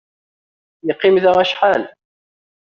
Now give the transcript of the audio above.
Yeqqim da acḥal.